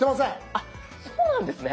あっそうなんですね。